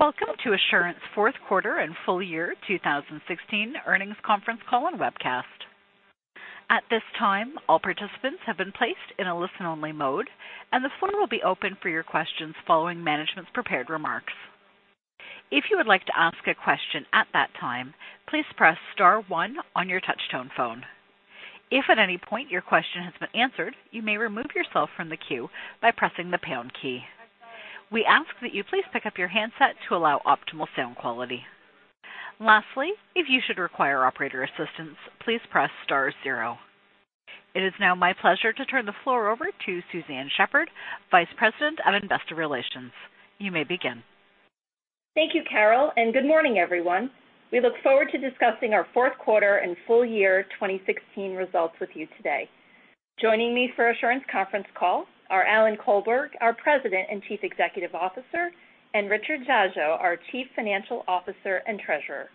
Welcome to Assurant's fourth quarter and full year 2016 earnings conference call and webcast. At this time, all participants have been placed in a listen-only mode, and the floor will be open for your questions following management's prepared remarks. If you would like to ask a question at that time, please press star one on your touch-tone phone. If at any point your question has been answered, you may remove yourself from the queue by pressing the pound key. We ask that you please pick up your handset to allow optimal sound quality. Lastly, if you should require operator assistance, please press star zero. It is now my pleasure to turn the floor over to Suzanne Shepherd, Vice President of Investor Relations. You may begin. Thank you, Carol. Good morning, everyone. We look forward to discussing our fourth quarter and full year 2016 results with you today. Joining me for Assurant's conference call are Alan Colberg, our President and Chief Executive Officer, and Richard Dziadzio, our Chief Financial Officer and Treasurer.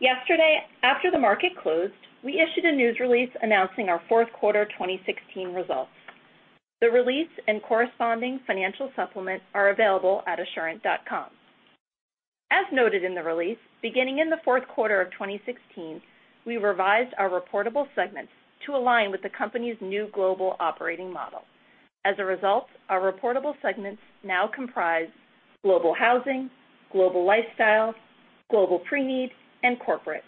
Yesterday, after the market closed, we issued a news release announcing our fourth quarter 2016 results. The release and corresponding financial supplement are available at assurant.com. As noted in the release, beginning in the fourth quarter of 2016, we revised our reportable segments to align with the company's new global operating model. As a result, our reportable segments now comprise Global Housing, Global Lifestyle, Global Preneed, and Corporate.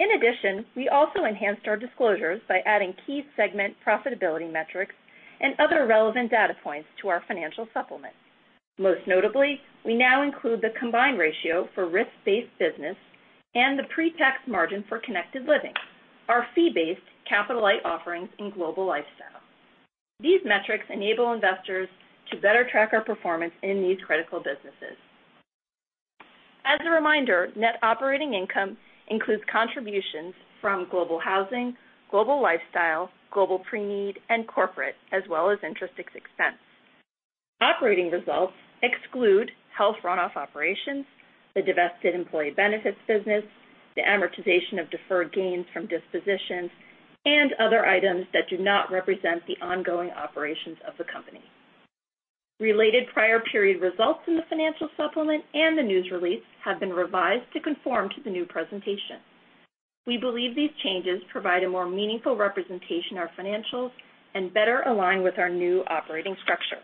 In addition, we also enhanced our disclosures by adding key segment profitability metrics and other relevant data points to our financial supplement. Most notably, we now include the combined ratio for risk-based business and the pre-tax margin for Connected Living, our fee-based capital-light offerings in Global Lifestyle. These metrics enable investors to better track our performance in these critical businesses. As a reminder, net operating income includes contributions from Global Housing, Global Lifestyle, Global Preneed, and Corporate, as well as interest expense. Operating results exclude health run-off operations, the divested employee benefits business, the amortization of deferred gains from dispositions, and other items that do not represent the ongoing operations of the company. Related prior period results in the financial supplement and the news release have been revised to conform to the new presentation. We believe these changes provide a more meaningful representation of our financials and better align with our new operating structure.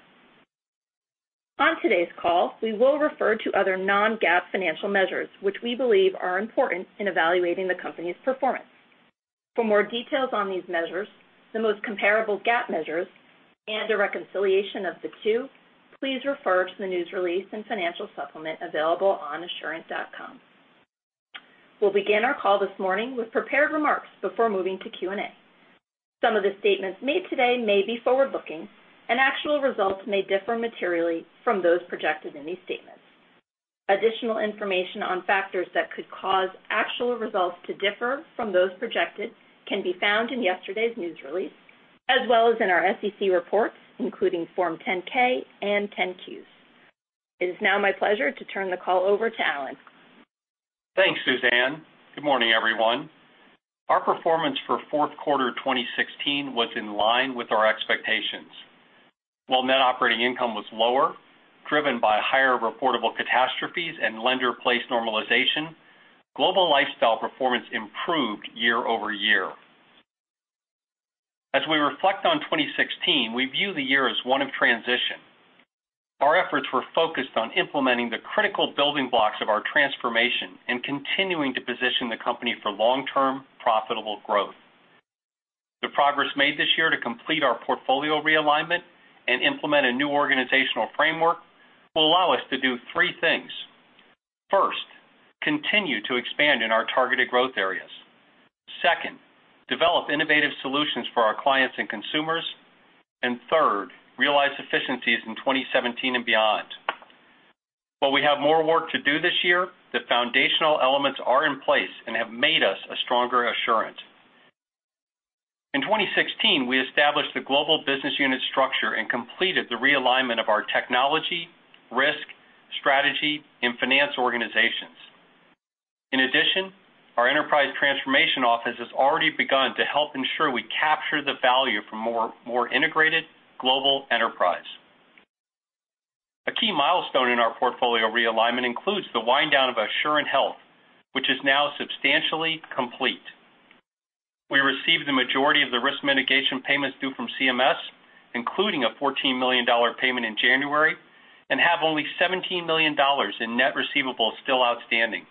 On today's call, we will refer to other non-GAAP financial measures, which we believe are important in evaluating the company's performance. For more details on these measures, the most comparable GAAP measures, and a reconciliation of the two, please refer to the news release and financial supplement available on assurant.com. We'll begin our call this morning with prepared remarks before moving to Q&A. Some of the statements made today may be forward-looking, and actual results may differ materially from those projected in these statements. Additional information on factors that could cause actual results to differ from those projected can be found in yesterday's news release, as well as in our SEC reports, including Form 10-K and 10-Qs. It is now my pleasure to turn the call over to Alan. Thanks, Suzanne. Good morning, everyone. Our performance for fourth quarter 2016 was in line with our expectations. While net operating income was lower, driven by higher reportable catastrophes and lender-placed normalization, Global Lifestyle performance improved year-over-year. As we reflect on 2016, we view the year as one of transition. Our efforts were focused on implementing the critical building blocks of our transformation and continuing to position the company for long-term profitable growth. The progress made this year to complete our portfolio realignment and implement a new organizational framework will allow us to do three things. First, continue to expand in our targeted growth areas. Second, develop innovative solutions for our clients and consumers. Third, realize efficiencies in 2017 and beyond. While we have more work to do this year, the foundational elements are in place and have made us a stronger Assurant. In 2016, we established the global business unit structure and completed the realignment of our technology, risk, strategy, and finance organizations. In addition, our enterprise transformation office has already begun to help ensure we capture the value for more integrated global enterprise. A key milestone in our portfolio realignment includes the wind down of Assurant Health, which is now substantially complete. We received the majority of the risk mitigation payments due from CMS, including a $14 million payment in January, and have only $17 million in net receivables still outstanding.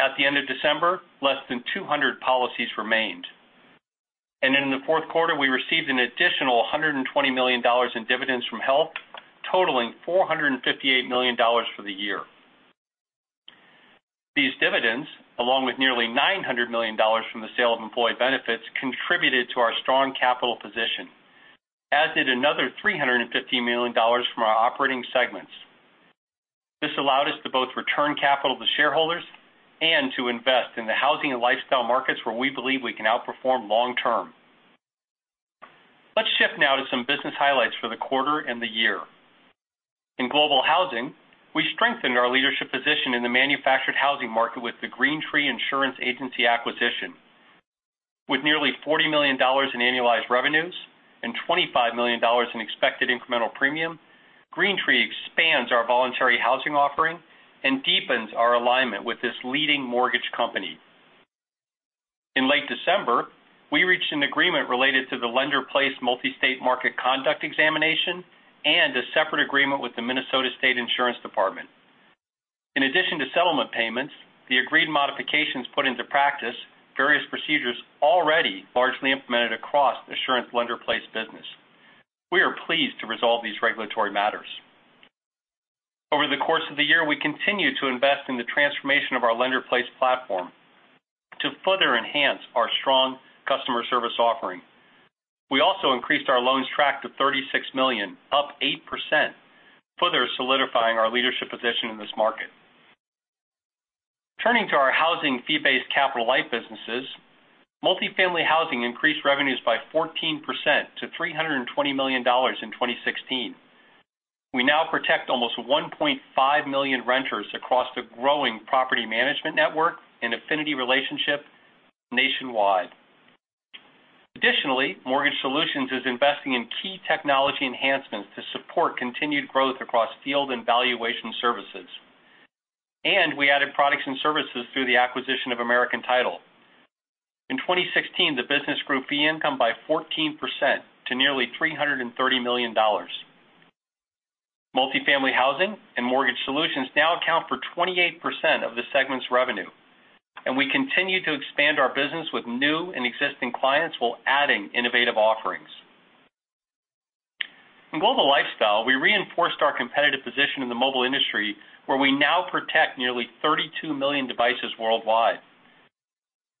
At the end of December, less than 200 policies remained. In the fourth quarter, we received an additional $120 million in dividends from Health, totaling $458 million for the year. These dividends, along with nearly $900 million from the sale of Employee Benefits, contributed to our strong capital position, as did another $350 million from our operating segments. This allowed us to both return capital to shareholders and to invest in the housing and lifestyle markets where we believe we can outperform long term. Let's shift now to some business highlights for the quarter and the year. In Global Housing, we strengthened our leadership position in the manufactured housing market with the Green Tree Insurance Agency acquisition. With nearly $40 million in annualized revenues and $25 million in expected incremental premium, Green Tree expands our voluntary housing offering and deepens our alignment with this leading mortgage company. In late December, we reached an agreement related to the lender-placed multi-state market conduct examination and a separate agreement with the Minnesota State Insurance Department. In addition to settlement payments, the agreed modifications put into practice various procedures already largely implemented across Assurant lender-placed business. We are pleased to resolve these regulatory matters. Over the course of the year, we continued to invest in the transformation of our lender-placed platform to further enhance our strong customer service offering. We also increased our loans track to 36 million, up 8%, further solidifying our leadership position in this market. Turning to our housing fee-based capital light businesses, multifamily housing increased revenues by 14% to $320 million in 2016. We now protect almost 1.5 million renters across the growing property management network and affinity relationship nationwide. Additionally, Mortgage Solutions is investing in key technology enhancements to support continued growth across field and valuation services, and we added products and services through the acquisition of American Title. In 2016, the business grew fee income by 14% to nearly $330 million. Multifamily housing and mortgage solutions now account for 28% of the segment's revenue. We continue to expand our business with new and existing clients while adding innovative offerings. In Global Lifestyle, we reinforced our competitive position in the mobile industry where we now protect nearly 32 million devices worldwide.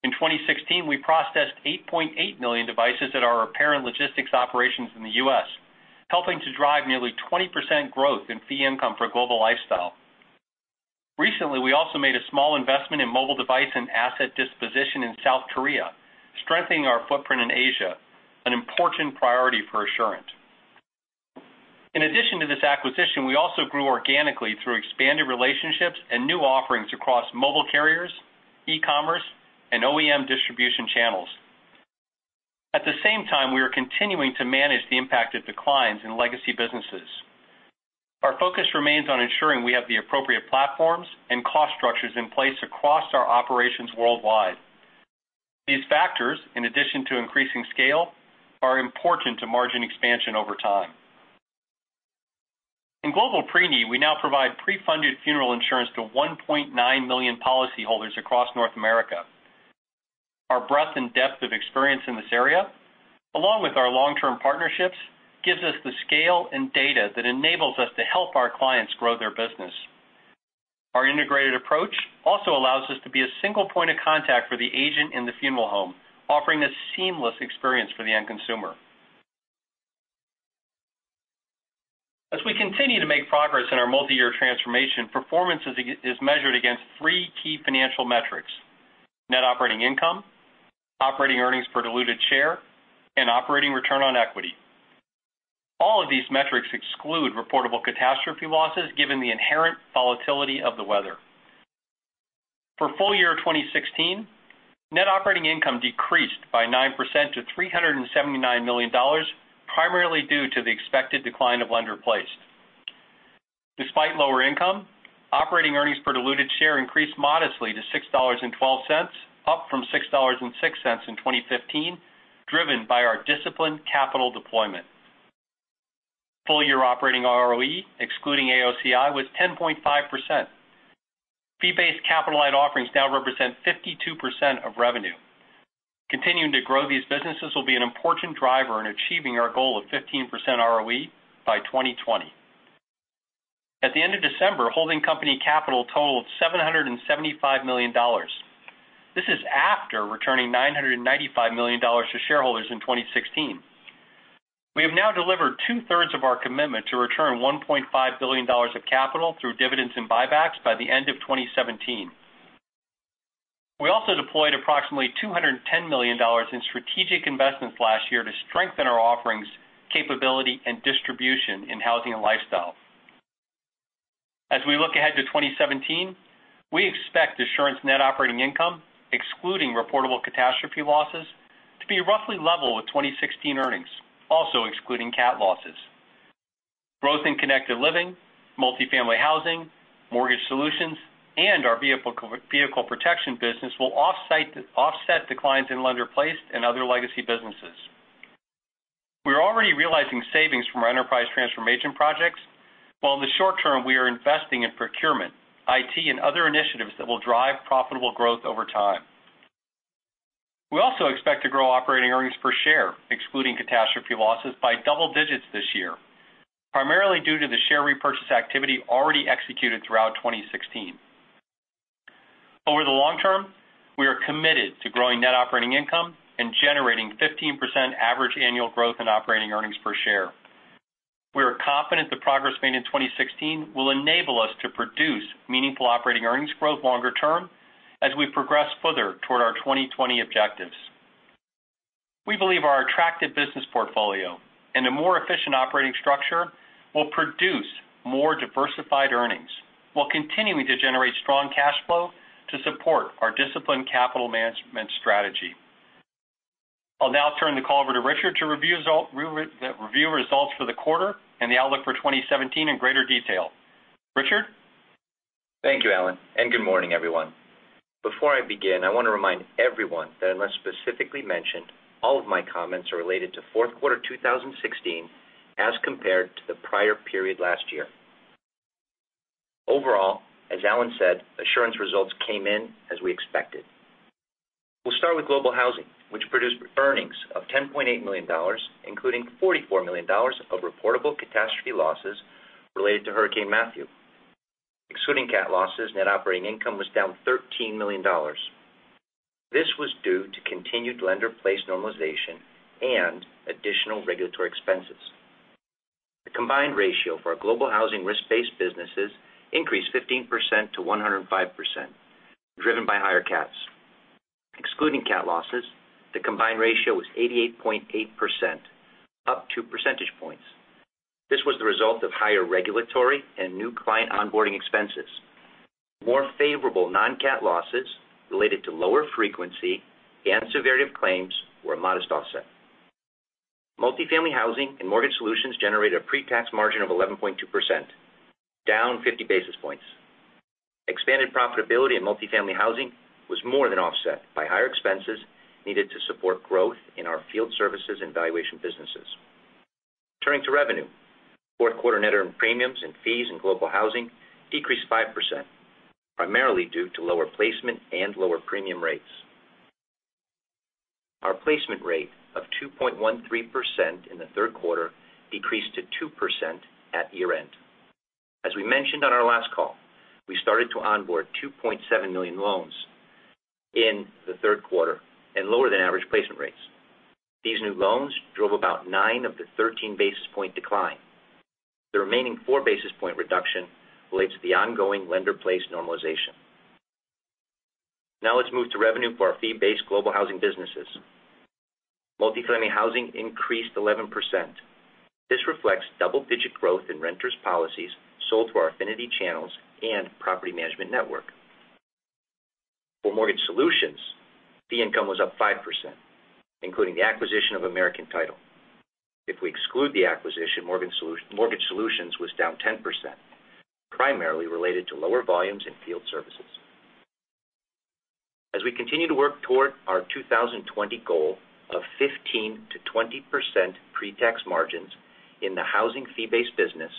In 2016, we processed 8.8 million devices at our repair and logistics operations in the U.S., helping to drive nearly 20% growth in fee income for Global Lifestyle. Recently, we also made a small investment in mobile device and asset disposition in South Korea, strengthening our footprint in Asia, an important priority for Assurant. In addition to this acquisition, we also grew organically through expanded relationships and new offerings across mobile carriers, e-commerce, and OEM distribution channels. At the same time, we are continuing to manage the impact of declines in legacy businesses. Our focus remains on ensuring we have the appropriate platforms and cost structures in place across our operations worldwide. These factors, in addition to increasing scale, are important to margin expansion over time. In Global Preneed, we now provide pre-funded funeral insurance to 1.9 million policyholders across North America. Our breadth and depth of experience in this area, along with our long-term partnerships, gives us the scale and data that enables us to help our clients grow their business. Our integrated approach also allows us to be a single point of contact for the agent in the funeral home, offering a seamless experience for the end consumer. As we continue to make progress in our multi-year transformation, performance is measured against three key financial metrics: Net operating income, Operating earnings per diluted share, and Operating return on equity. All of these metrics exclude reportable catastrophe losses given the inherent volatility of the weather. For full year 2016, Net operating income decreased by 9% to $379 million, primarily due to the expected decline of lender-placed. Despite lower income, Operating earnings per diluted share increased modestly to $6.12, up from $6.06 in 2015, driven by our disciplined capital deployment. Full year Operating ROE, excluding AOCI, was 10.5%. Fee-based capital light offerings now represent 52% of revenue. Continuing to grow these businesses will be an important driver in achieving our goal of 15% ROE by 2020. At the end of December, holding company capital totaled $775 million. This is after returning $995 million to shareholders in 2016. We have now delivered two-thirds of our commitment to return $1.5 billion of capital through dividends and buybacks by the end of 2017. We also deployed approximately $210 million in strategic investments last year to strengthen our offerings, capability, and distribution in housing and lifestyle. As we look ahead to 2017, we expect Assurant's Net operating income, excluding reportable catastrophe losses, to be roughly level with 2016 earnings, also excluding cat losses. Growth in Connected Living, multifamily housing, mortgage solutions, and our vehicle protection business will offset declines in lender-placed and other legacy businesses. We are already realizing savings from our enterprise transformation projects, while in the short term, we are investing in procurement, IT, and other initiatives that will drive profitable growth over time. We also expect to grow Operating earnings per share, excluding catastrophe losses, by double digits this year, primarily due to the share repurchase activity already executed throughout 2016. Over the long term, we are committed to growing net operating income and generating 15% average annual growth in operating earnings per share. We are confident the progress made in 2016 will enable us to produce meaningful operating earnings growth longer term as we progress further toward our 2020 objectives. We believe our attractive business portfolio and a more efficient operating structure will produce more diversified earnings while continuing to generate strong cash flow to support our disciplined capital management strategy. I'll now turn the call over to Richard to review results for the quarter and the outlook for 2017 in greater detail. Richard? Thank you, Alan, and good morning, everyone. Before I begin, I want to remind everyone that unless specifically mentioned, all of my comments are related to fourth quarter 2016 as compared to the prior period last year. Overall, as Alan said, Assurant results came in as we expected. We'll start with Global Housing, which produced earnings of $10.8 million, including $44 million of reportable catastrophe losses related to Hurricane Matthew. Excluding cat losses, net operating income was down $13 million. This was due to continued lender-placed normalization and additional regulatory expenses. The combined ratio for our Global Housing risk-based businesses increased 15% to 105%, driven by higher cats. Excluding cat losses, the combined ratio was 88.8%, up two percentage points. This was the result of higher regulatory and new client onboarding expenses. More favorable non-cat losses related to lower frequency and severity of claims were a modest offset. Multifamily housing and mortgage solutions generated a pre-tax margin of 11.2%, down 50 basis points. Expanded profitability in multifamily housing was more than offset by higher expenses needed to support growth in our field services and valuation businesses. Turning to revenue, fourth quarter net earned premiums and fees in Global Housing decreased 5%, primarily due to lower placement and lower premium rates. Our placement rate of 2.13% in the third quarter decreased to 2% at year-end. As we mentioned on our last call, we started to onboard 2.7 million loans in the third quarter at lower than average placement rates. These new loans drove about nine of the 13 basis point decline. The remaining four basis point reduction relates to the ongoing lender-placed normalization. Now let's move to revenue for our fee-based Global Housing businesses. Multifamily Housing increased 11%. This reflects double-digit growth in renters policies sold through our affinity channels and property management network. For Mortgage Solutions, fee income was up 5%, including the acquisition of American Title. If we exclude the acquisition, Mortgage Solutions was down 10%, primarily related to lower volumes in field services. As we continue to work toward our 2020 goal of 15%-20% pre-tax margins in the housing fee-based business,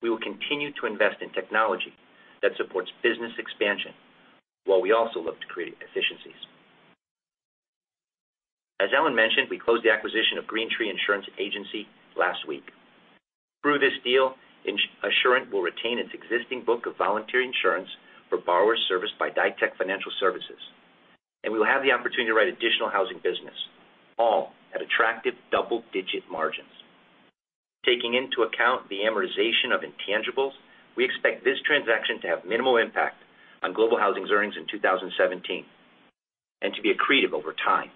we will continue to invest in technology that supports business expansion, while we also look to create efficiencies. As Alan mentioned, we closed the acquisition of Green Tree Insurance Agency last week. Through this deal, Assurant will retain its existing book of voluntary insurance for borrowers serviced by Ditech Financial Services, and we will have the opportunity to write additional housing business, all at attractive double-digit margins. Taking into account the amortization of intangibles, we expect this transaction to have minimal impact on Global Housing's earnings in 2017, and to be accretive over time.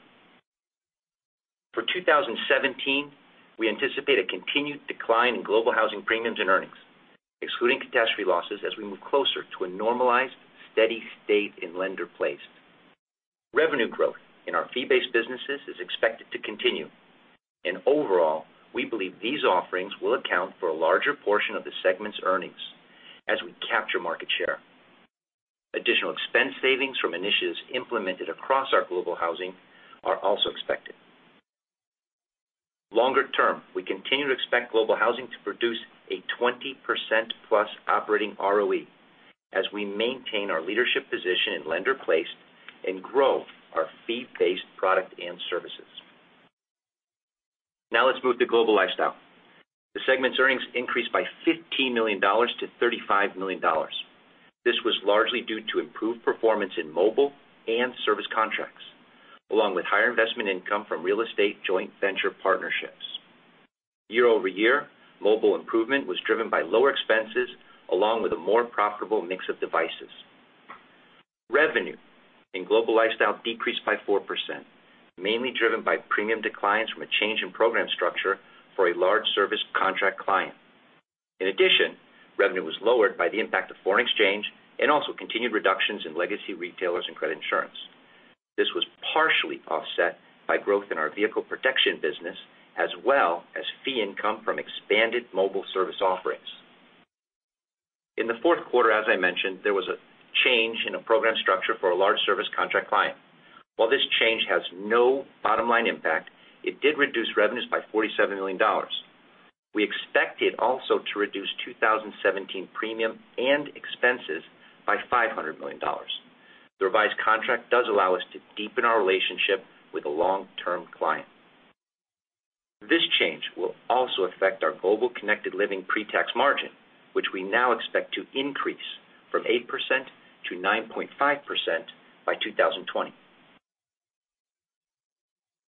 For 2017, we anticipate a continued decline in Global Housing premiums and earnings, excluding catastrophe losses, as we move closer to a normalized, steady state in lender-placed. Revenue growth in our fee-based businesses is expected to continue. Overall, we believe these offerings will account for a larger portion of the segment's earnings as we capture market share. Additional expense savings from initiatives implemented across our Global Housing are also expected. Longer term, we continue to expect Global Housing to produce a 20%+ operating ROE as we maintain our leadership position in lender-placed and grow our fee-based product and services. Let's move to Global Lifestyle. The segment's earnings increased by $15 million to $35 million. This was largely due to improved performance in mobile and service contracts, along with higher investment income from real estate joint venture partnerships. Year-over-year, mobile improvement was driven by lower expenses along with a more profitable mix of devices. Revenue in Global Lifestyle decreased by 4%, mainly driven by premium declines from a change in program structure for a large service contract client. In addition, revenue was lowered by the impact of foreign exchange and also continued reductions in legacy retailers and credit insurance. This was partially offset by growth in our vehicle protection business as well as fee income from expanded mobile service offerings. In the fourth quarter, as I mentioned, there was a change in a program structure for a large service contract client. While this change has no bottom-line impact, it did reduce revenues by $47 million. We expect it also to reduce 2017 premium and expenses by $500 million. The revised contract does allow us to deepen our relationship with a long-term client. This change will also affect our Global Connected Living pre-tax margin, which we now expect to increase from 8%-9.5% by 2020.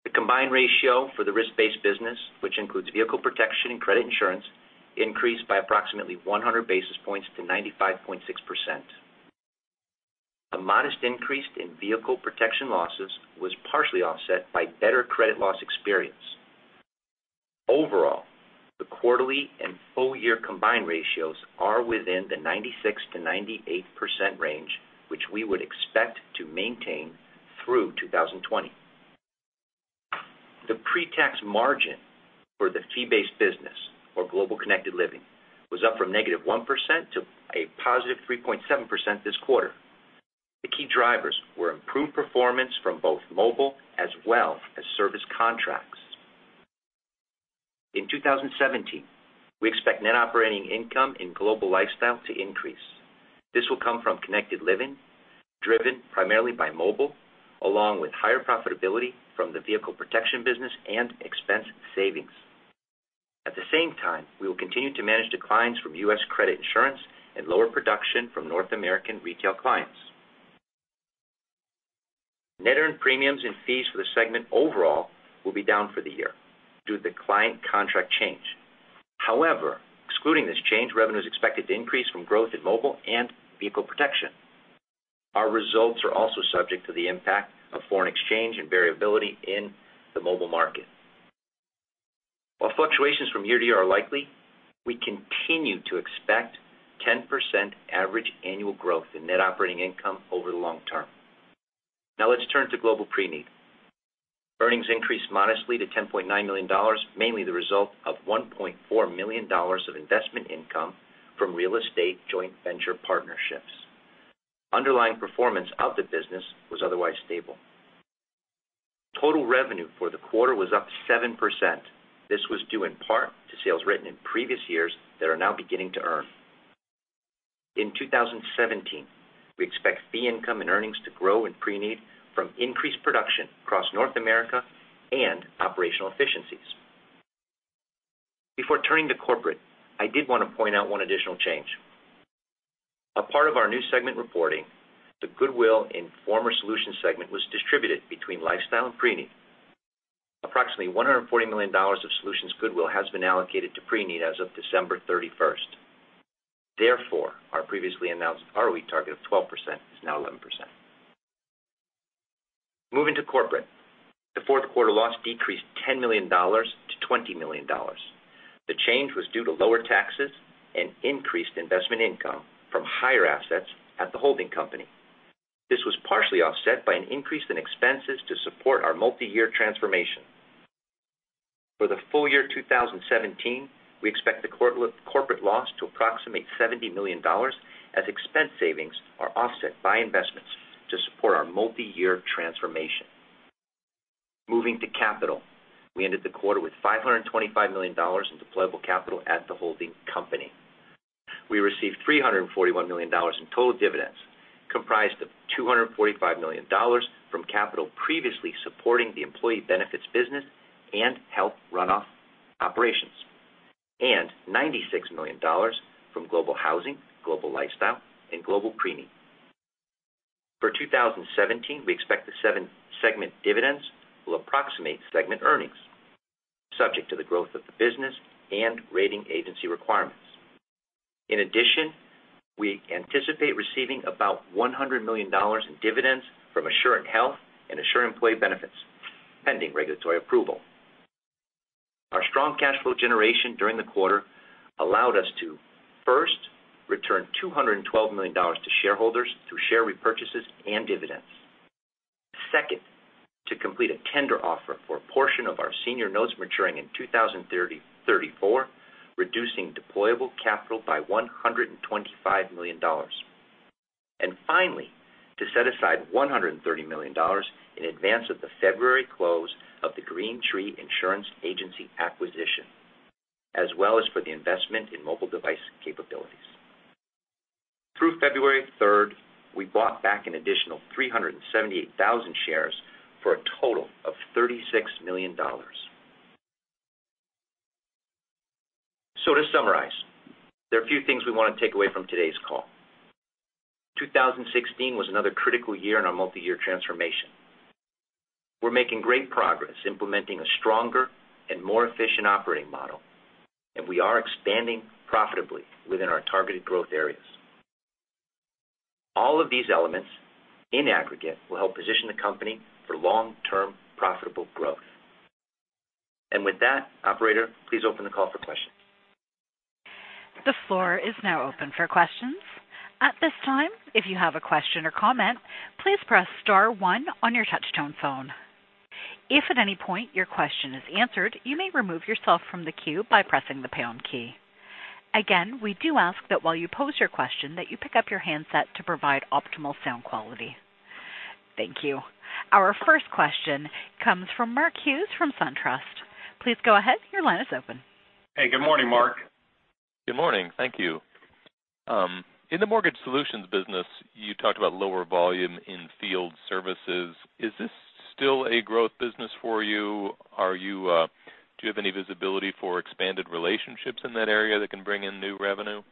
The combined ratio for the risk-based business, which includes vehicle protection and credit insurance, increased by approximately 100 basis points to 95.6%. The modest increase in vehicle protection losses was partially offset by better credit loss experience. Overall, the quarterly and full-year combined ratios are within the 96%-98% range, which we would expect to maintain through 2020. The pre-tax margin for the fee-based business for Global Connected Living was up from -1% to a positive 3.7% this quarter. The key drivers were improved performance from both mobile as well as service contracts. In 2017, we expect net operating income in Global Lifestyle to increase. This will come from Connected Living, driven primarily by mobile, along with higher profitability from the vehicle protection business and expense savings. At the same time, we will continue to manage declines from U.S. credit insurance and lower production from North American retail clients. Net earned premiums and fees for the segment overall will be down for the year due to the client contract change. However, excluding this change, revenue is expected to increase from growth in mobile and vehicle protection. Our results are also subject to the impact of foreign exchange and variability in the mobile market. While fluctuations from year to year are likely, we continue to expect 10% average annual growth in net operating income over the long term. Let's turn to Global Preneed. Earnings increased modestly to $10.9 million, mainly the result of $1.4 million of investment income from real estate joint venture partnerships. Underlying performance of the business was otherwise stable. Total revenue for the quarter was up 7%. This was due in part to sales written in previous years that are now beginning to earn. In 2017, we expect fee income and earnings to grow in Global Preneed from increased production across North America and operational efficiencies. Before turning to corporate, I did want to point out one additional change. As part of our new segment reporting, the goodwill in former Assurant Solutions segment was distributed between Global Lifestyle and Global Preneed. Approximately $140 million of Assurant Solutions goodwill has been allocated to Global Preneed as of December 31st. Therefore, our previously announced ROE target of 12% is now 11%. Moving to corporate. The fourth quarter loss decreased $10 million to $20 million. The change was due to lower taxes and increased investment income from higher assets at the holding company. This was partially offset by an increase in expenses to support our multi-year transformation. For the full year 2017, we expect the corporate loss to approximate $70 million as expense savings are offset by investments to support our multi-year transformation. Moving to capital. We ended the quarter with $525 million in deployable capital at the holding company. We received $341 million in total dividends, comprised of $245 million from capital previously supporting the Assurant Employee Benefits business and Assurant Health runoff operations, and $96 million from Global Housing, Global Lifestyle, and Global Preneed. For 2017, we expect the segment dividends will approximate segment earnings, subject to the growth of the business and rating agency requirements. In addition, we anticipate receiving about $100 million in dividends from Assurant Health and Assurant Employee Benefits, pending regulatory approval. Our strong cash flow generation during the quarter allowed us to, first, return $212 million to shareholders through share repurchases and dividends. Second, to complete a tender offer for a portion of our senior notes maturing in 2034, reducing deployable capital by $125 million. Finally, to set aside $130 million in advance of the February close of the Green Tree Insurance Agency acquisition, as well as for the investment in mobile device capabilities. Through February 3rd, we bought back an additional 378,000 shares for a total of $36 million. To summarize, there are a few things we want to take away from today's call. 2016 was another critical year in our multi-year transformation. We're making great progress implementing a stronger and more efficient operating model, we are expanding profitably within our targeted growth areas. All of these elements in aggregate will help position the company for long-term profitable growth. With that, operator, please open the call for questions. The floor is now open for questions. At this time, if you have a question or comment, please press *1 on your touch-tone phone. If at any point your question is answered, you may remove yourself from the queue by pressing the pound key. Again, we do ask that while you pose your question that you pick up your handset to provide optimal sound quality. Thank you. Our first question comes from Mark Hughes from SunTrust. Please go ahead. Your line is open. Hey, good morning, Mark. Good morning. Thank you. In the Mortgage Solutions business, you talked about lower volume in field services. Is this still a growth business for you? Do you have any visibility for expanded relationships in that area that can bring in new revenue?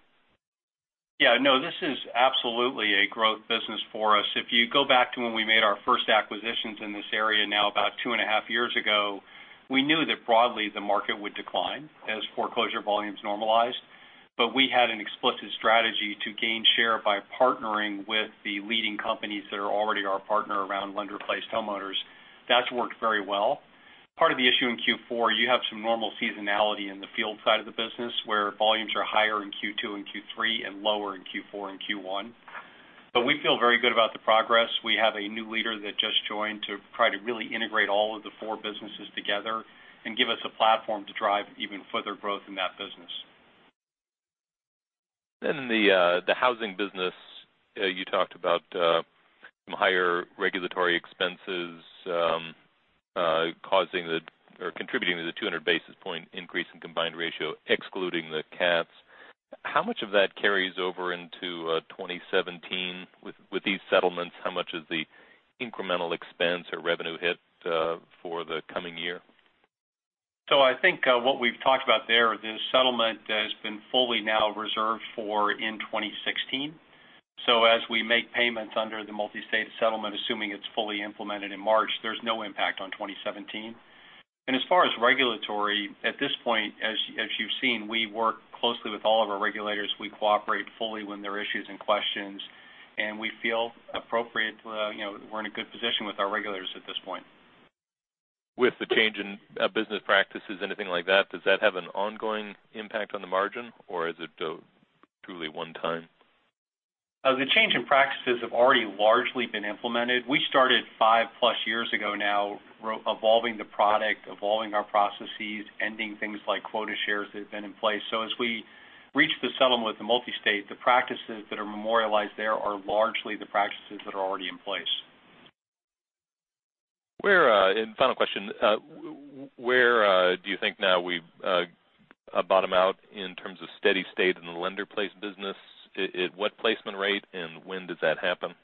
Yeah, no, this is absolutely a growth business for us. If you go back to when we made our first acquisitions in this area now about two and a half years ago, we knew that broadly the market would decline as foreclosure volumes normalized. We had an explicit strategy to gain share by partnering with the leading companies that are already our partner around lender-placed homeowners. That's worked very well. Part of the issue in Q4, you have some normal seasonality in the field side of the business where volumes are higher in Q2 and Q3 and lower in Q4 and Q1. We feel very good about the progress. We have a new leader that just joined to try to really integrate all of the four businesses together and give us a platform to drive even further growth in that business. The housing business, you talked about some higher regulatory expenses causing or contributing to the 200 basis point increase in combined ratio excluding the CATs. How much of that carries over into 2017 with these settlements, how much is the incremental expense or revenue hit for the coming year? I think what we've talked about there, the settlement has been fully now reserved for in 2016. As we make payments under the multi-state settlement assuming it's fully implemented in March, there's no impact on 2017. As far as regulatory, at this point, as you've seen, we work closely with all of our regulators. We cooperate fully when there are issues and questions, and we feel appropriate. We're in a good position with our regulators at this point. With the change in business practices, anything like that, does that have an ongoing impact on the margin or is it truly one time? The change in practices have already largely been implemented. We started five-plus years ago now evolving the product, evolving our processes, ending things like quota shares that have been in place. As we reach the settlement with the multi-state, the practices that are memorialized there are largely the practices that are already in place. Final question. Where do you think now we've bottomed out in terms of steady state in the lender-placed business? At what placement rate and when does that happen?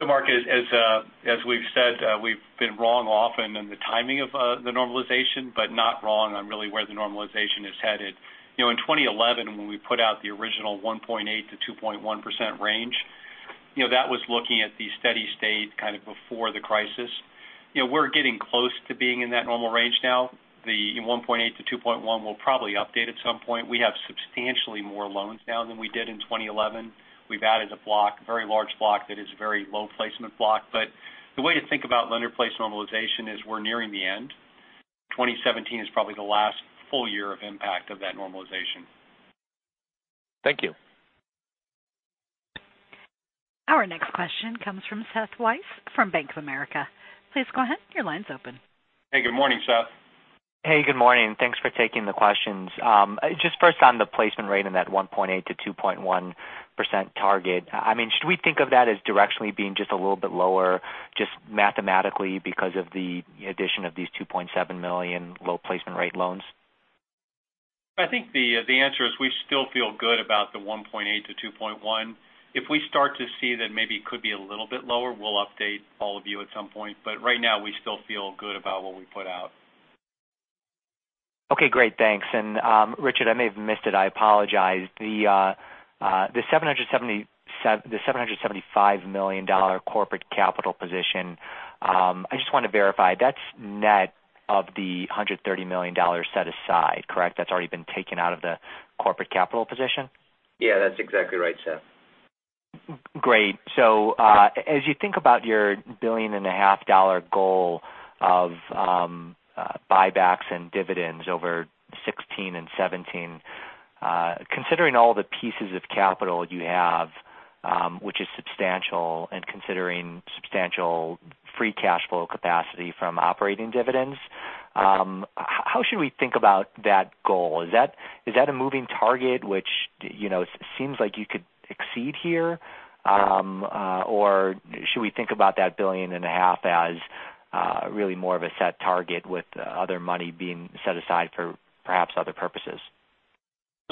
Mark, as we've said, we've been wrong often in the timing of the normalization but not wrong on really where the normalization is headed. In 2011 when we put out the original 1.8%-2.1% range, that was looking at the steady state kind of before the crisis. We're getting close to being in that normal range now. The 1.8%-2.1% will probably update at some point. We have substantially more loans now than we did in 2011. We've added a block, a very large block that is a very low placement block. The way to think about lender-placed normalization is we're nearing the end. 2017 is probably the last full year of impact of that normalization. Thank you. Our next question comes from Seth Weiss from Bank of America. Please go ahead. Your line's open. Hey, good morning, Seth. Hey, good morning. Thanks for taking the questions. First on the placement rate and that 1.8%-2.1% target. Should we think of that as directionally being just a little bit lower just mathematically because of the addition of these $2.7 million low placement rate loans? I think the answer is we still feel good about the 1.8%-2.1%. If we start to see that maybe it could be a little bit lower, we'll update all of you at some point. Right now, we still feel good about what we put out. Okay, great. Thanks. Richard, I may have missed it. I apologize. The $775 million corporate capital position. I just want to verify. That's net of the $130 million set aside, correct? That's already been taken out of the corporate capital position? Yeah, that's exactly right, Seth. Great. As you think about your billion and a half dollar goal of buybacks and dividends over 2016 and 2017, considering all the pieces of capital you have, which is substantial, and considering substantial free cash flow capacity from operating dividends, how should we think about that goal? Is that a moving target which seems like you could exceed here? Should we think about that billion and a half as really more of a set target with other money being set aside for perhaps other purposes?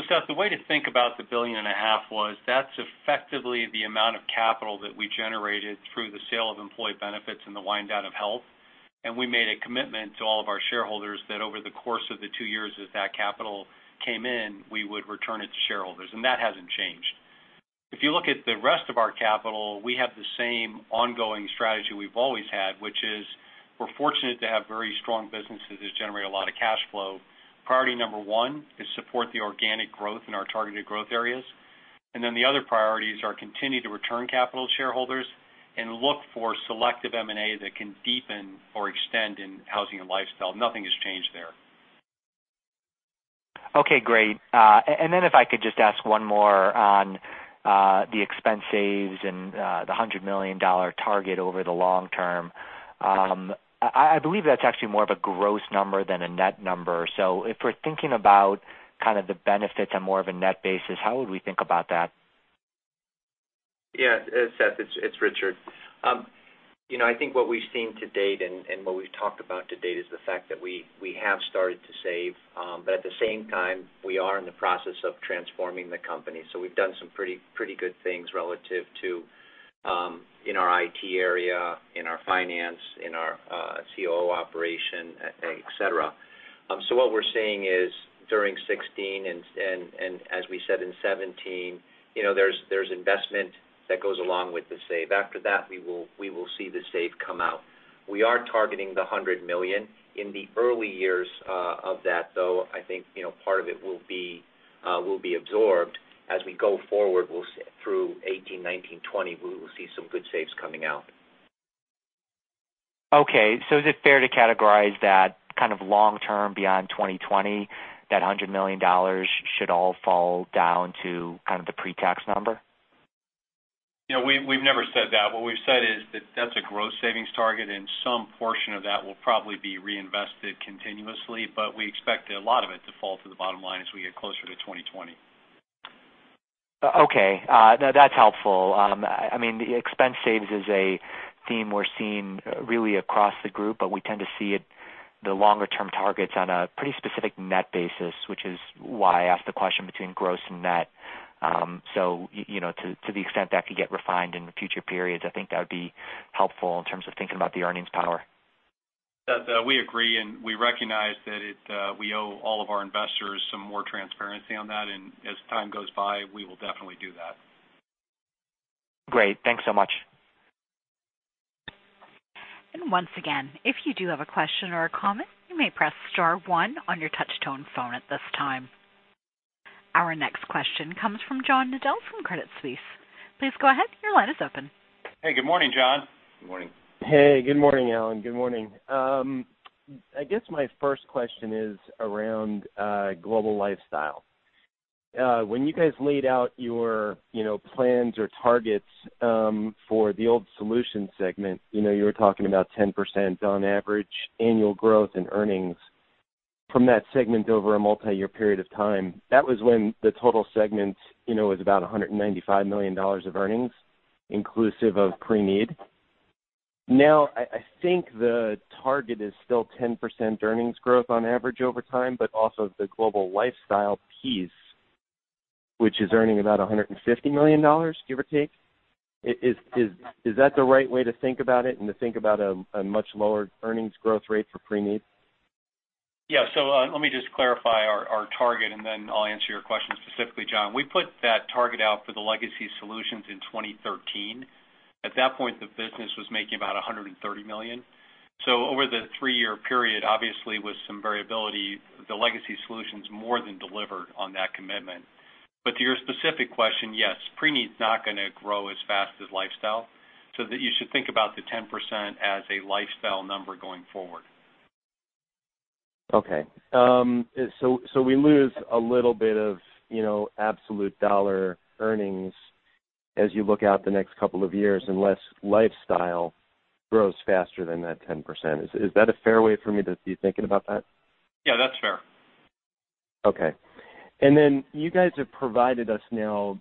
Seth, the way to think about the billion and a half was that's effectively the amount of capital that we generated through the sale of Assurant Employee Benefits and the wind down of Assurant Health. We made a commitment to all of our shareholders that over the course of the two years that capital came in, we would return it to shareholders. That hasn't changed. If you look at the rest of our capital, we have the same ongoing strategy we've always had, which is we're fortunate to have very strong businesses that generate a lot of cash flow. Priority number 1 is support the organic growth in our targeted growth areas. The other priorities are continue to return capital to shareholders and look for selective M&A that can deepen or extend in housing and lifestyle. Nothing has changed there. Okay, great. If I could just ask one more on the expense saves and the $100 million target over the long term. I believe that's actually more of a gross number than a net number. If we're thinking about kind of the benefits on more of a net basis, how would we think about that? Yeah. Seth, it's Richard. I think what we've seen to date and what we've talked about to date is the fact that we have started to save. At the same time, we are in the process of transforming the company. We've done some pretty good things relative to in our IT area, in our finance, in our COO operation, et cetera. What we're seeing is during 2016, and as we said in 2017, there's investment that goes along with the save. After that, we will see the save come out. We are targeting the $100 million. In the early years of that, though, I think part of it will be absorbed as we go forward. Through 2018, 2019, 2020, we'll see some good saves coming out. Okay. Is it fair to categorize that kind of long term beyond 2020, that $100 million should all fall down to kind of the pre-tax number? We've never said that. What we've said is that that's a gross savings target, and some portion of that will probably be reinvested continuously, but we expect a lot of it to fall to the bottom line as we get closer to 2020. Okay. No, that's helpful. Expense saves is a theme we're seeing really across the group, but we tend to see the longer-term targets on a pretty specific net basis, which is why I asked the question between gross and net. To the extent that could get refined in future periods, I think that would be helpful in terms of thinking about the earnings power. We agree, and we recognize that we owe all of our investors some more transparency on that, and as time goes by, we will definitely do that. Great. Thanks so much. Once again, if you do have a question or a comment, you may press star one on your touch-tone phone at this time. Our next question comes from John Nadel from Credit Suisse. Please go ahead. Your line is open. Hey, good morning, John. Good morning. Hey, good morning, Alan. Good morning. I guess my first question is around Global Lifestyle. When you guys laid out your plans or targets for the old Solutions segment, you were talking about 10% on average annual growth in earnings from that segment over a multi-year period of time. That was when the total segment was about $195 million of earnings, inclusive of Preneed. Now, I think the target is still 10% earnings growth on average over time, but also the Global Lifestyle piece, which is earning about $150 million, give or take. Is that the right way to think about it and to think about a much lower earnings growth rate for Preneed? Yeah. Let me just clarify our target, and then I'll answer your question specifically, John. We put that target out for the Assurant Solutions in 2013. At that point, the business was making about $130 million. Over the three-year period, obviously, with some variability, the Assurant Solutions more than delivered on that commitment. To your specific question, yes. Global Preneed is not going to grow as fast as Global Lifestyle, that you should think about the 10% as a Global Lifestyle number going forward. Okay. We lose a little bit of absolute dollar earnings as you look out the next couple of years unless Global Lifestyle grows faster than that 10%. Is that a fair way for me to be thinking about that? Yeah, that's fair. Okay. You guys have provided us now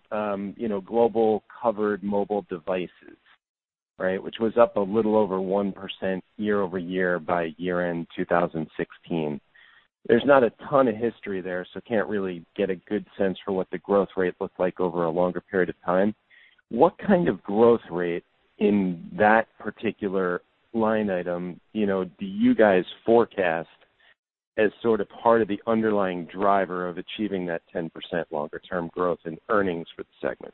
Global covered mobile devices, which was up a little over 1% year-over-year by year-end 2016. There's not a ton of history there, can't really get a good sense for what the growth rate looked like over a longer period of time. What kind of growth rate in that particular line item do you guys forecast as sort of part of the underlying driver of achieving that 10% longer-term growth in earnings for the segment?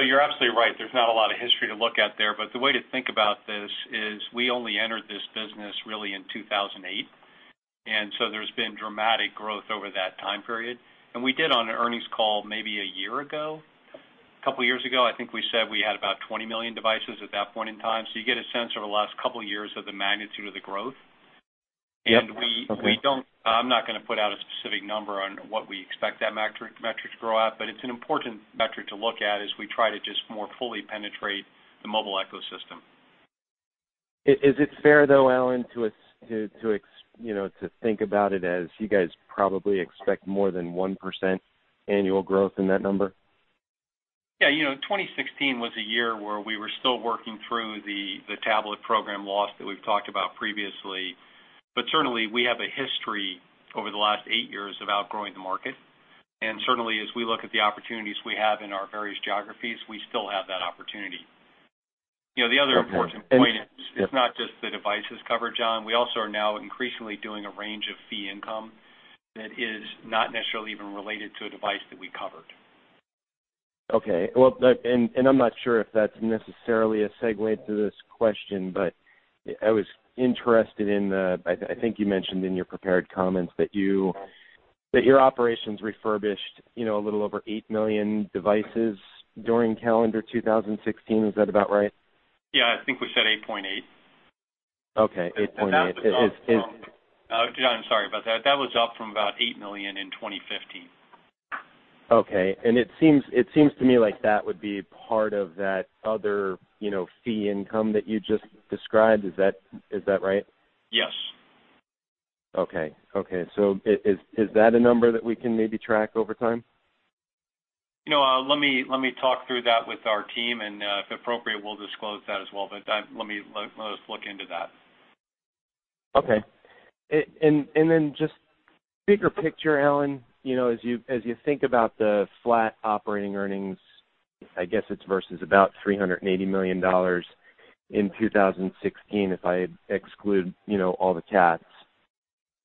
You're absolutely right. There's not a lot of history to look at there, the way to think about this is we only entered this business really in 2008, there's been dramatic growth over that time period. We did on an earnings call maybe a year ago, couple years ago, I think we said we had about 20 million devices at that point in time. You get a sense over the last couple years of the magnitude of the growth. Yep. Okay. I'm not going to put out a specific number on what we expect that metric to grow at, it's an important metric to look at as we try to just more fully penetrate the mobile ecosystem. Is it fair, though, Alan, to think about it as you guys probably expect more than 1% annual growth in that number? Yeah. 2016 was a year where we were still working through the tablet program loss that we've talked about previously. Certainly, we have a history over the last eight years of outgrowing the market. Certainly, as we look at the opportunities we have in our various geographies, we still have that opportunity. The other important point is it's not just the devices covered, John. We also are now increasingly doing a range of fee income that is not necessarily even related to a device that we covered. Okay. Well, I'm not sure if that's necessarily a segue to this question, but I was interested in the-- I think you mentioned in your prepared comments that your operations refurbished a little over 8 million devices during calendar 2016. Is that about right? Yeah, I think we said 8.8. Okay. 8.8. that was up from- Is- Oh, John, I'm sorry about that. That was up from about $8 million in 2015. Okay. It seems to me like that would be part of that other fee income that you just described. Is that right? Yes. Okay. Is that a number that we can maybe track over time? Let me talk through that with our team, and if appropriate, we'll disclose that as well. Let us look into that. Okay. Just bigger picture, Alan, as you think about the flat operating earnings, I guess it's versus about $380 million in 2016, if I exclude all the cats.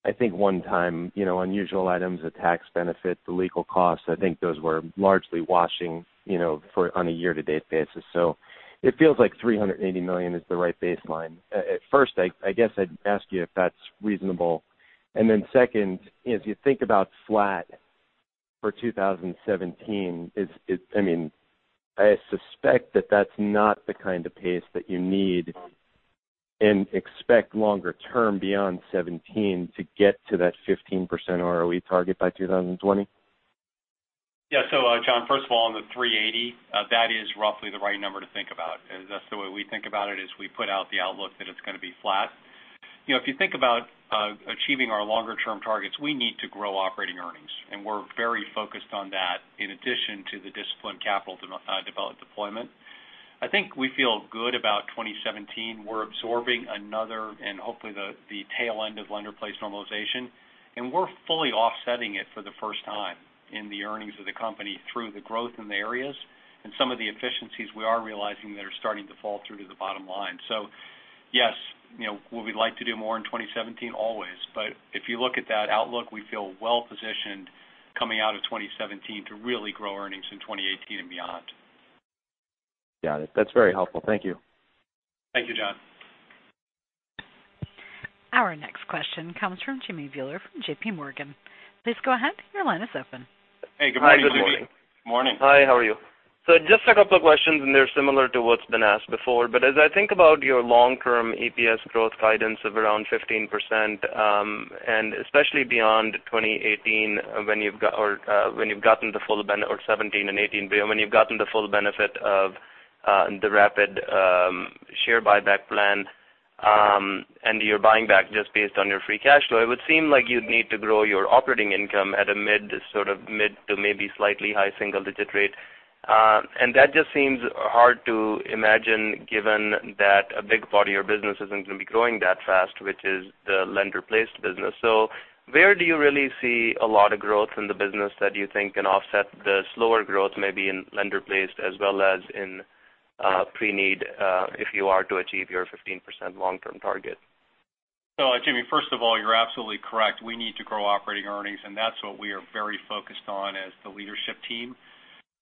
I think one time, unusual items, the tax benefit, the legal costs, I think those were largely washing on a year-to-date basis. It feels like $380 million is the right baseline. At first, I guess I'd ask you if that's reasonable. Second, as you think about flat for 2017, I suspect that that's not the kind of pace that you need and expect longer term beyond 2017 to get to that 15% ROE target by 2020. Yeah. John, first of all, on the $380, that is roughly the right number to think about. That's the way we think about it, is we put out the outlook that it's going to be flat. If you think about achieving our longer term targets, we need to grow operating earnings, and we're very focused on that, in addition to the disciplined capital deployment. I think we feel good about 2017. We're absorbing another, and hopefully the tail end of lender-placed normalization, and we're fully offsetting it for the first time in the earnings of the company through the growth in the areas, and some of the efficiencies we are realizing that are starting to fall through to the bottom line. Yes, would we like to do more in 2017? Always. If you look at that outlook, we feel well-positioned coming out of 2017 to really grow earnings in 2018 and beyond. Got it. That's very helpful. Thank you. Thank you, John. Our next question comes from Jimmy Bhullar from JP Morgan. Please go ahead, your line is open. Hey, good morning, Jimmy. Hi, good morning. Morning. Hi, how are you? Just a couple of questions, they're similar to what's been asked before, as I think about your long-term EPS growth guidance of around 15%, especially beyond 2018, or when you've gotten the full benefit, or 2017 and 2018, when you've gotten the full benefit of the rapid share buyback plan, and you're buying back just based on your free cash flow, it would seem like you'd need to grow your operating income at a mid to maybe slightly high single-digit rate. That just seems hard to imagine given that a big part of your business isn't going to be growing that fast, which is the lender-placed business. Where do you really see a lot of growth in the business that you think can offset the slower growth, maybe in lender-placed as well as in Preneed, if you are to achieve your 15% long-term target? Jimmy, first of all, you're absolutely correct. We need to grow operating earnings, and that's what we are very focused on as the leadership team.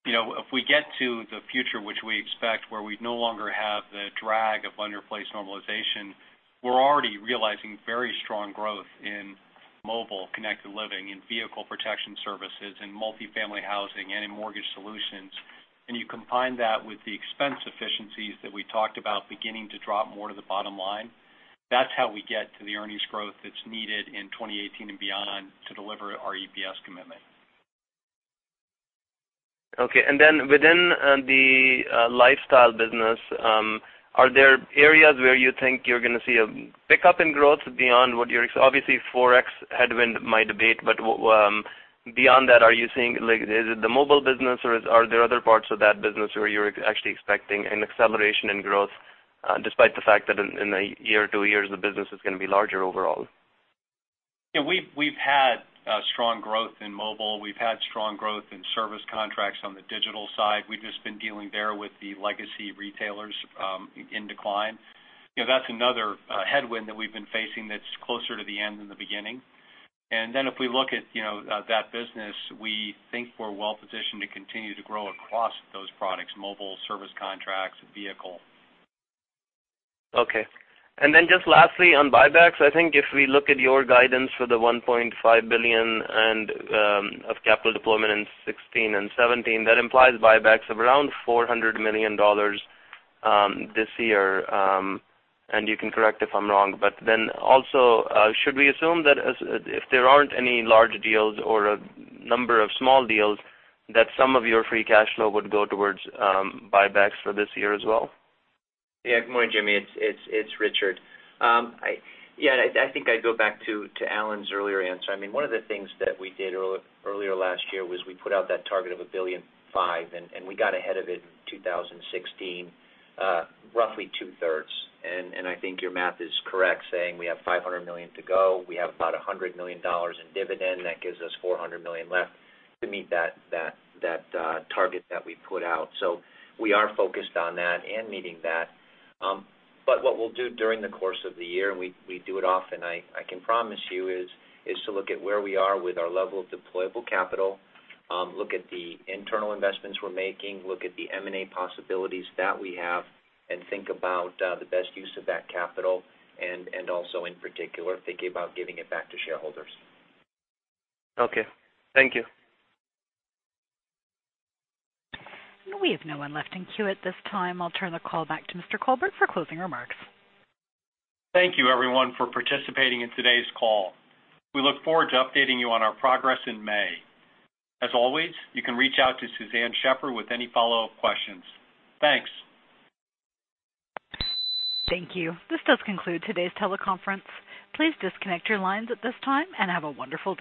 If we get to the future which we expect, where we no longer have the drag of lender-placed normalization, we're already realizing very strong growth in mobile, Connected Living, in Vehicle Protection Services, in Multifamily Housing, and in mortgage solutions. You combine that with the expense efficiencies that we talked about beginning to drop more to the bottom line. That's how we get to the earnings growth that's needed in 2018 and beyond to deliver our EPS commitment. Okay. Within the lifestyle business, are there areas where you think you're going to see a pickup in growth beyond what you're-- obviously Forex headwind might abate, but beyond that, are you seeing, is it the mobile business, or are there other parts of that business where you're actually expecting an acceleration in growth despite the fact that in one year or two years the business is going to be larger overall? We've had strong growth in mobile. We've had strong growth in service contracts on the digital side. We've just been dealing there with the legacy retailers in decline. That's another headwind that we've been facing that's closer to the end than the beginning. If we look at that business, we think we're well-positioned to continue to grow across those products, mobile, service contracts, vehicle. Okay. Just lastly, on buybacks, I think if we look at your guidance for the $1.5 billion of capital deployment in 2016 and 2017, that implies buybacks of around $400 million this year. You can correct if I'm wrong. Also, should we assume that if there aren't any large deals or a number of small deals, that some of your free cash flow would go towards buybacks for this year as well? Good morning, Jimmy, it's Richard. I think I'd go back to Alan's earlier answer. One of the things that we did earlier last year was we put out that target of a $1.5 billion, and we got ahead of it in 2016, roughly two-thirds. I think your math is correct saying we have $500 million to go. We have about $100 million in dividend. That gives us $400 million left to meet that target that we put out. We are focused on that and meeting that. What we'll do during the course of the year, and we do it often, I can promise you, is to look at where we are with our level of deployable capital, look at the internal investments we're making, look at the M&A possibilities that we have, and think about the best use of that capital, and also in particular, thinking about giving it back to shareholders. Okay. Thank you. We have no one left in queue at this time. I'll turn the call back to Mr. Colberg for closing remarks. Thank you everyone for participating in today's call. We look forward to updating you on our progress in May. As always, you can reach out to Suzanne Shepherd with any follow-up questions. Thanks. Thank you. This does conclude today's teleconference. Please disconnect your lines at this time and have a wonderful day.